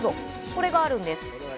これがあるんです。